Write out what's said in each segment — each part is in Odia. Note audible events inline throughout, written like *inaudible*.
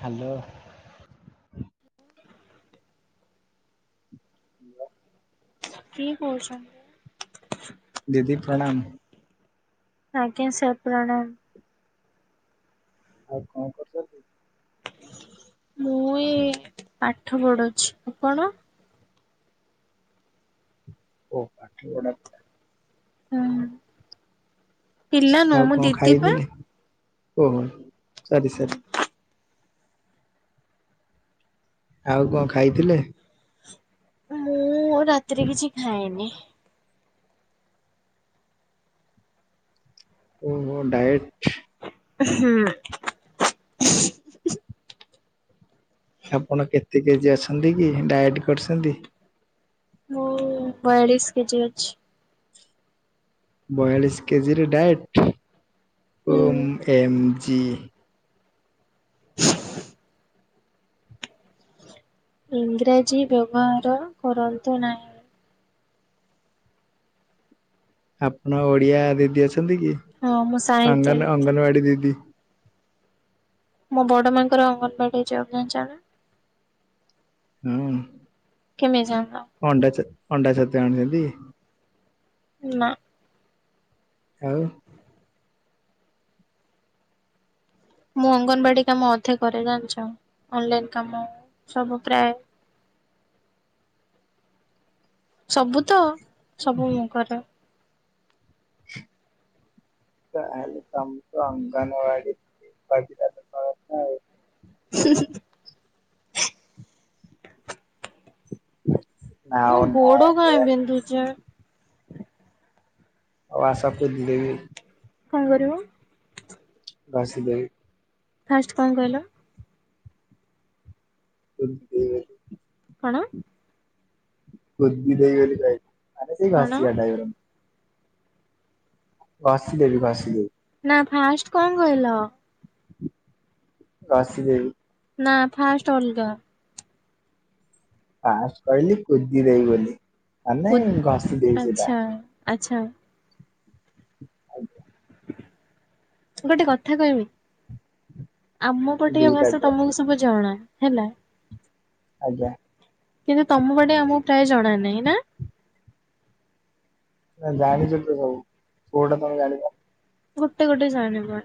ହ୍ୟାଲୋ। ହୁଁ *unintelligible* କି କହୁଛନ୍। ଦିଦି ପ୍ରଣାମ୍। ଆଜ୍ଞା ସାର ପ୍ରଣାମ୍। ଆଉ କଣ କରୁଛନ୍ତି। ମୁଁ ଏଁ ପାଠ ପଢଉଛି ଆପଣ? ଓଁ ପାଠପଢା। ହୁଁଉ ପିଲା କରୁଛି। ଆଉ ନୁହଁ ମୁଁ କଣ ଦିଦି ପା। ଖାଇଥିଲେ ଓହୋ ସରି, ସରି। ଆଉ କଣ ଖାଇଥିଲେ? ମୁଁ ରାତିରେ କିଛି ଖାଏନି। ଓହୋ ଡାଏଟ୍? ହୁଁ, ଉଁ। ଆପଣ କେତେ କେଜି ଅଛନ୍ତି କି ଡାଏଟ୍ କରୁଛନ୍ତି? ମୁଁ ବୟାଳିଶୀ କେଜି ଅଛି। ବୟାଳିଶୀ କେଜିି ରେ ଡାଏଟ ଓମ୍ ହୁଁ ଏମ୍ ଜି। *inaudible* ଇଂଗ୍ରାଜୀ ବ୍ୟବହାର କରନ୍ତୁ ନାହିଁ? ଆପଣ ଓଡିଆ ଦିଦି ଅଛନ୍ତି କି ହଁ ମୁଁ ସାହିତ୍ୟରେ ଅଙ୍ଗନ ଅଙ୍ଗନବାଡି ଦିଦି। ମୋ ବଡ ମାଙ୍କର ଅଙ୍ଗନବାଡିଆଛି। *unintelligible* ହଁଅଁ *inaudible* କେମିତି ଜାଣିଲ? ଅଣ୍ଡା ଚା ଅଣ୍ଡା ଛତୁଆ ଆଣୁଛନ୍ତି? ନାଁ। ଆଉ। ମୁଁ ଅଙ୍ଗନବାଡି କାମ ଅଧେ କରେ ଜାଣିଛ ଅନଲାଇନ କାମ ସବୁ ପ୍ରାୟ। ସବୁତ ସବୁ ମୁଁ କରେ। ଆଉ ତମକୁ ଅଙ୍ଗନବାଡ଼ି ଦିଦି କାହିଁକିନା ସତକଥା ଆଉ। ହୁଁଉଁ ହଃ ହଃ। ମୋ ନାଓ ଗୋଡ କାଇଁ ନାଏ। ବିନ୍ଧୁଛି? ଆଉ ଆସ କୁୁଦିଦେବି। କଣ କରିବ? ଘଷି ଦେବି। ଫାଷ୍ଟ କଣ କହିଲ? କୁଦିଦେବି। କଣ? କୁଦିଦେବୀ ବୋଲି କହିଁଲି ଆରେ ସେଇ କଣ ଘଷିବା ଟାଇପର। ଘଷିଦେବି ଘଷିଦେବି। ନାଁ ଫାଷ୍ଟ କଣ କହିଲ? ଘଷିଦେବି। ନାଁ ଫାଷ୍ଟ ଅଲଗା। ଫାଷ୍ଟ କହିଲି କୁଦିଦେବି ବୋଲି ମାନେ କୁଦ୍ ଘଷିଦେବି ସେଟା। ଆଚ୍ଛା ଆଚ୍ଛା। ଆଉ କଣ? ଗୋଟେ କଥା କହିବି? ଆମ ପଟିଆ ଭାଷା ଦିଟାକ ତମକୁ ସବୁ ଜଣା ହେଲା? ଆଜ୍ଞା। କିନ୍ତୁ ତମ ପଟେ ଆମକୁ ପ୍ରାୟ ଜଣା ନାଇ ନା? ନା ଜାଣିଛ ତ ସବୁ କୋଉଟା ତମେ ଜାଣିବ? ଗୋଟେ ଗୋଟେ ଜାଣିବା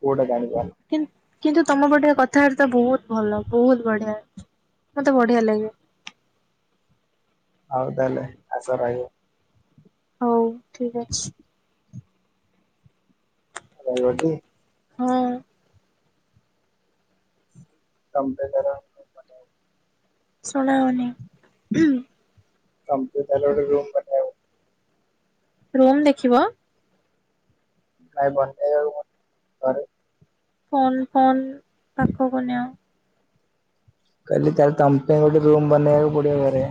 କୋଉଟା ଜାଣିବା? କି କିନ୍ତୁ ତମ ପଟିଆ କଥାବାତା ବହୁତ ଭଲ ବହୁତ ବଢିଆ ମତେ ବଢିଆ ଲାଗେ। ହଉ ତାହଲେ ଆସ ରାହିବ। ହଉ ଠିକ୍ ଅଛି। ରହିବ ଟି? ହଁ। ତମ ପେ *inaudible* ବେଦର ଶୁଣା ଯାଉନି ହୁଁ? ତମପେ ତାହେଲେ ଗୋଟେ ରୁମ ଦେଖାହବ? ରୁମ୍ ଦେଖିବ? କାଇଁ ବନେଇ ଦବୁ ଘରେ। ଫୋନ୍ ଫୋନ୍ ପାଖକୁ ନିଅ। କହିଲି ତାଲେ ତମ ପାଇଁ ଗୋଟେ ରୁମ୍ ବନେଇବାକୁ ପଡିବ ଘରେ।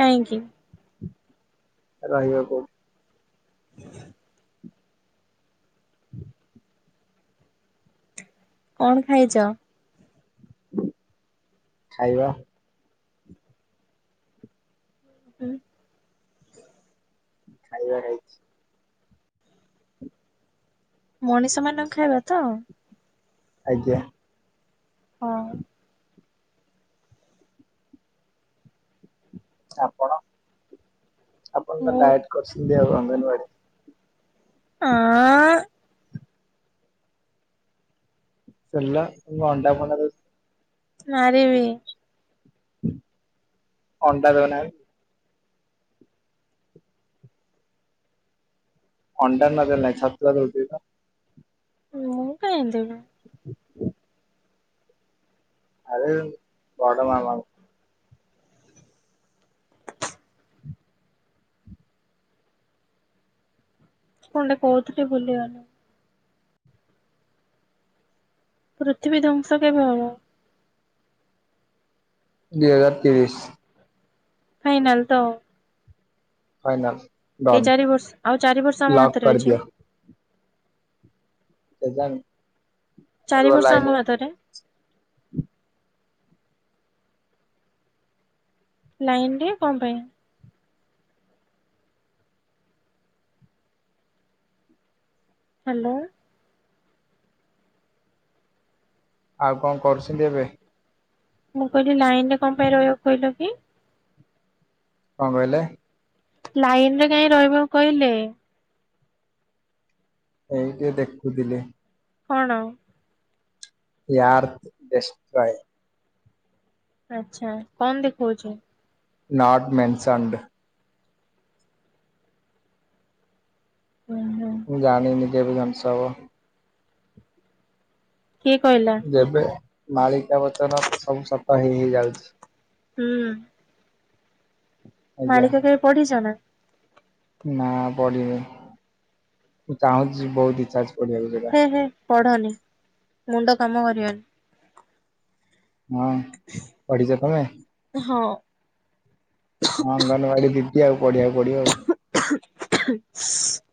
କାହିଁକି? ରହିବାକୁ। କଣ ଖାଇଚ? ଖାଇବା। *unintelligible* ଖାଇବା ହେଇଛି। ମଣିଷ ମାନଙ୍କ ଖାଇବା ତ? ଆଜ୍ଞା। ହଁ ଆପଣ ଆପଣ ତ ମୁଁ ଡାଏଟ କରିଛନ୍ତି ଆଉ ଅଙ୍ଗନବାଡି। ଆଁ ଆ। ପିଲା *unintelligible* ମାରିବି। ଅଣ୍ଡା ଦଉ ନାହା ଅଣ୍ଡା ନ ଦେଲେ ନାଇ ଛତୁଆ ଦଉଛି ତ? ମୁଁ କାଇଁ ଦେବି। ଆଉ ବଡ଼ *unintelligible* କଣ ଟେ କହୁଥିଲି ଭୁଲଗଲି। ପୃଥିବୀ ଧ୍ୱଂସ କେବେ ହବ? ଦି ହଜାର ତିରିଶ। ଫାଇନାଲ ତ? ଫାଇନାଲ। ଏଇ ଡନ୍ ଚାରି ବର୍ଷ ଆଉ ଚାରି ବର୍ଷ ଆମ ଲକ୍ ହାତରେ କରିଦିଅ ଅଛି? କେଜାଣି। ଚାରି ରୁହ ବର୍ଷ ଆମ ଲାଇନରେ ହାତରେ? ଲାଇନରେ କଣ ପାଇଁ? ହ୍ୟାଲୋ। ଆଉ କଣ କରୁଛନ୍ତି ଏବେ? ମୁଁ କହିଲି ଲାଇନ ରେ କଣ ପାଇଁ ରହିଆକୁ କହିଲ କି? କଣ କହିଲେ? ଲାଇନ ରେ କାଇଁ ରହିବାକୁ କହିଲେ? ଏଇ *unintelligible* ଦେଖୁଥିଲି। କଣ? ୟାର୍ *unintelligible* ଆଚ୍ଛା। କଣ ଦେଖଉଚି? ନଟ୍ ମେନସନ୍ ଦେ ହୁଁ ହୁଁ। ମୁଁ ଜାଣିନି କେବେ ଧ୍ୱଂସ ହବ। କିଏ କହିଲା? ଏବେ ମାଳିକା ବଚନ ତ ସବୁ ସତ ହେଇ ହେଇ ଯାଉଛି। ହୁଁ। ଆଜ୍ଞା ମାଳିକା କେବେ ପଢିଛ ନା? ନା ପଢିନି। ମୁଁ ଚାହୁଁଛି ବହୁତ ଇଚ୍ଛା ଅଛି ପଢିବାକୁ ଯେ ହେ ହେ ପଢନି ମୁଣ୍ଡ କାମ କରିବନି। ହଁ ପଢିଛ ତମେ? ହଁ ହଁ, ଅଙ୍ଗନବାଡି ଦିଦି ଆଉ ପଢିଆ କୁ ପଡିବ ଆଉ। *inaudible*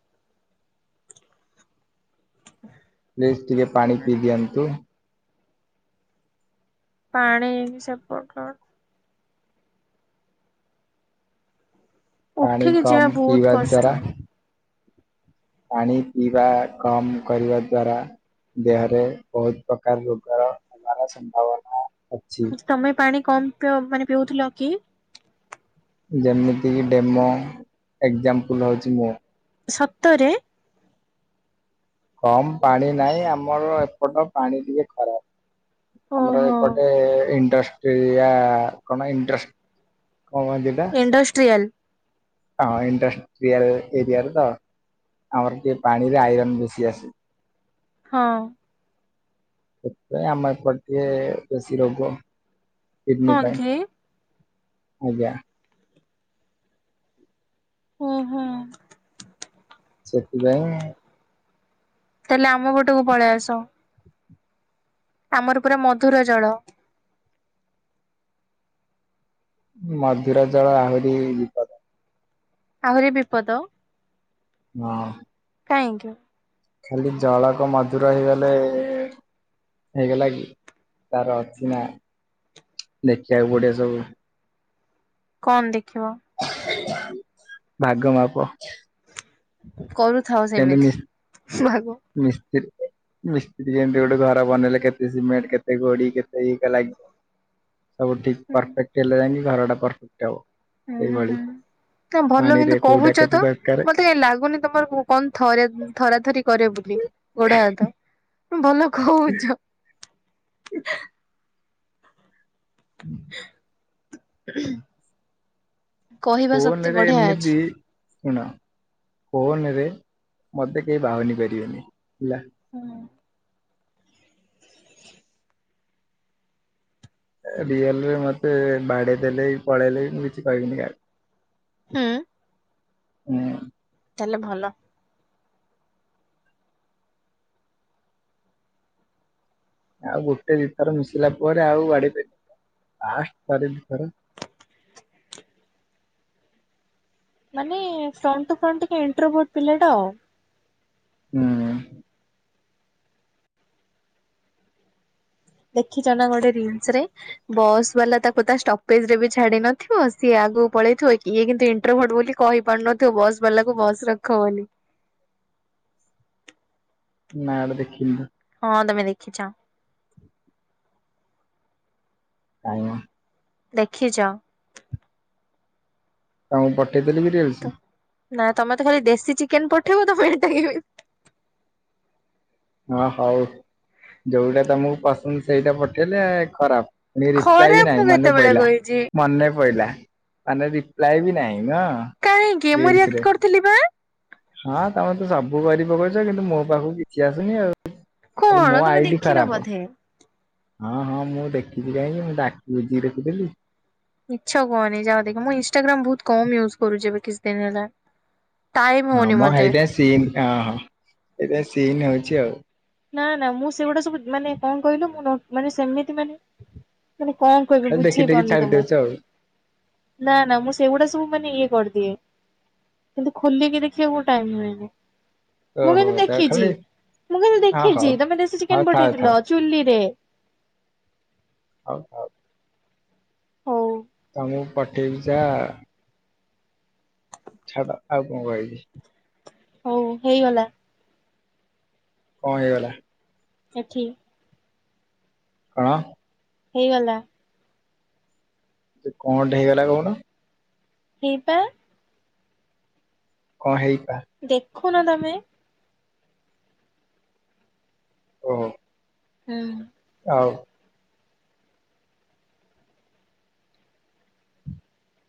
ପ୍ଲିଜ୍ ଟିକେ ପାଣି ପିଇ ଦିଅନ୍ତୁ। ପାଣି ସେପଟ କଣ। *unintelligible* ପାଣି ଉଠିକି ଯିବା କମ୍ ବହୁତ ପିଇବା କଷ୍ଟ। ଦ୍ଵାରା ପାଣି ପିଇବା କମ୍ କରିବା ଦ୍ଵାରା ଦେହରେ ବହୁତ ପ୍ରକାର ରୋଗର ହେବାର ସମ୍ଭାବନା ଅଛି। ତମେ ପାଣି କମ୍ ପିଉ ମାନେ ପିଉଥିଲ କି? ଯେମିତିକି ଡେମୋ, ଏକ୍ଜାମ୍ପଲ୍ ହେଉଛି ମୁଁ। ସତରେ? କମ୍ ପାଣି ନାହିଁ, ଆମର ଏପଟ ପାଣି ଟିକେ ଖରାପ। ଆମର ଓହୋ ଏପଟେ ଏଣ୍ଟର। *unintelligible* ସେଆାଣଣ୍ଟ୍ର କ *unintelligible* ଇଣ୍ଡଷ୍ଟ୍ରିୟାଲ? ହଁ, ଇଣ୍ଡଷ୍ଟ୍ରିଆଲ ଏରିଆରେ ତ, ଆମର ଟିକେ ପାଣିରେ ଆଇରନ ବେଶୀ ଆସେ। ହଁ ସେଥିପାଇଁ ଆମ ଏପଟ ଟିକେ ବେଶୀ ରୋଗ, କିଡନୀ ହଁ ପାଇଁ। କି ଆଜ୍ଞା। ଓହୋ। *unintelligible* ସେଥିପାଇଁ ତାହେଲେ ଆମ ପଟକୁ ପଳେଇ ଆସ? ଆମର ପୁରା ମଧୁର ଜଳ। ମଧୁର ଜଳ ଆହୁରି ଆହୁରି ବିପଦ? ହଁ କାଇଁକି? ଖାଲି ଜଳ କଣ ମଧୁର ହେଇଗଲେ ହେଇଗଲା କି, ତାର ଅଛି ନା ଦେଖିବାକୁ ପଡିବ ସବୁ। କଣ ଦେଖିବ? *unintelligible* ଭାଗ ମାପ। କରୁଥାଅ ସେମିତି ଭା ନିଶ୍ଚିତ। ମିସ୍ତ୍ରୀ ଯେମିତି ଗୋଟେ ଘର ବନେଇଲେ କେତେ ସିମେଣ୍ଟ, କେତେ ଗୋଡି, କେତେ ଇଟା ଲାଗିବ, ସବୁ ଠିକ୍ ହୁଁ ପରଫେକ୍ଟ ହେଲେ ଯାଇକି, ଘର ଟା ପରଫେକ୍ଟ ହବ। ହୁଁ, ସେଇଭଳି ହୁଁ, ତମେ ଭଲ ପାଣିରେ କିନ୍ତୁ କୋଉଟା କହୁଛ କେତେ ତ। ଦରକାର ମତେ କାଇଁ ଲାଗୁନି ତମର କଣ ଥରେ ଥରା ଥରି କରେ ବୋଲି ଗୋଡ ହାତ। ଭଲ କହୁଛ? ହୁଁ। *unintelligible* *unintelligible* କହିବା ଶକ୍ତି ଫୋନରେ ବଢିଆ ଅଛି। ଏମିତି ଶୁଣ, ଫୋନ ରେ ମତେ କେହି ବାହୁନି ପାରିବେନି ହେଲା। ହୁଁ। ରିଏଲରେ ମତେ ବାଡେଇ ଦେଲେ, କି ପଳେଇଲେ, ମୁଁ କିଛି କହିବିନି କାହାକୁ। ହୁଁ ହୁଁ। *unintelligible* ତାହେଲେ ଭଲ। ଆଉ ଗୋଟେ ଦିଇଥର ମିଶିଲା ପରେ ଆଉ ବାଡେଇ ପାରିବେନି ଆଷ୍ଟ ଥରେ ଦିଇଥର। ମାନେ ଫ୍ରଣ୍ଟ ଟୁ ଫ୍ରଣ୍ଟ ଟିକେ ଇଣ୍ଟ୍ରୋ ଭୋଟ ପିଲାଟା ଆଉ। ହୁଁ। ଦେଖିଛ ନା ଗୋଟେ ରିଙ୍ଗସ୍ ରେ। ବସ୍ ବାଲା ତାକୁ ତା ଷ୍ଟପେଜ ରେ ବି ଛାଡି ନଥିବ ସିଏ ଆଗକୁ ପଳେଇଥିବ ଇଏ କିନ୍ତୁ ଇଣ୍ଟ୍ରୋଭୋଟ ବୋଲି କହିପାରୁନଥିବ ବସ୍ ବାଲା କୁ ବସ୍ ରଖବୋଲି। ନାଁ ଏଡା ଦେଖିନି *unintelligible* ହଁ ତମେ ଦେଖିଛ। କାଇଁ ମ। ଦେଖିଛ। ତାଙ୍କୁ ପଠେଇଦେଲି ବି ଟିକେ। ତ ନା ତମେ ତ ଖାଲି ଦେଶୀ ଚିକେନ ପଠେଇବ ତମେ *unintelligible* ହଁ ହଉ ଯୋଉଗୁଡା ତମକୁ ପସନ୍ଦ ସେଇଟା ପଠେଇଲେ ଖରାପ। ରି ରିପ୍ଲାଏ ବି ଖରାପ ମୁଁ ନାହିଁ ମନେ କେତେବେଳେ ପଇଲା, କହିଛି। ମନେ ପଇଲା ମାନେ ରିପ୍ଲାଏ ବି ନାହିଁ। ଏଇନା କାହିଁକି ମୁଁ ରିଲ୍ସ୍ ରିଆକ୍ଟ ରେ। କରିଥିଲି ବା ହଁ ତମେ ତ ସବୁ କରି ପକଉଛ କିନ୍ତୁ ମୋ ପାଖକୁ କିଛି ଆସୁନି ଆଉ। ତାହେଲେ କଣ ମୋ ତମେ ଆଇ ଡି ଦେଖିନ ଖରାପ। ବୋଧେ। ହଁ ହଁ ମୁଁ ଦେଖିଛିି କାହିଁକି ମୁଁ ତ ଆଖି ବୁଜିକି ଦେଖୁଥିଲି। ମିଛ କୁହନି ଯାଅ ଦେଖ। ମୁଁ ଇଷ୍ଟାଗ୍ରାମ୍ ବହୁତ କମ ୟୁଜ କରୁଛି ଏବେ କିଛି ଦିନ ହେଲା। ଟାଇମ ହଁ ହଉନି ମୋ ମତେ। ହେଇଟା ସିନ୍ ହଁ ହଁ ଏଟା ସିନ୍ ହଉଛି ଆଉ। ନା ନା ମୁଁ ସେଗୁଡା ସବୁ ମାନେ କଣ କହିଲ ମୁଁ ମାନେ ସେମିତି ମାନେ ମାନେ କଣ କହିବି ଖାଲି ଦେଖି ବୁଝେଇ ଦେଖି ପାରୁନି ଛାଡି ତମକୁ। ଦଉଛ ଆଉ। ନା ନା ମୁଁ ସେଗୁଡା ସବୁ ମାନେ ଇଏ କରିଦିଏ। କିନ୍ତୁ ଖୋଲିକି ଦେଖିବାକୁ ଟାଇମ ହୁଏନି। ମୁଁ ଓହୋ କିନ୍ତୁ ତା ଦେଖିଛି। ଖାଲି ମୁଁ କିନ୍ତୁ ହଁ ହଉ ଦେଖିଛି। ତମେ ଦେଶୀ ହଉ ଚିକେନ ଥାଉ ପଠେଇଥିଲ ଥାଉ ଚୁଲିରେ। ହଉ ହଉ। ହଉ। ତମକୁ ପଠେଇବି ଯା ଛାଡ ଆଉ କଣ କହିବି? ହଉ ହେଇଗଲା। କଣ ହେଇଗଲା? ଏଠି। କଣ? ହେଇଗଲା। ସେ କଣ ଟେ ହେଇଗଲା କହୁନ? ହିପା। କଣ ହେଇପା? ଦେଖୁନ ତମେ। ଓହୋ। ହୁଁ। ଆଉ।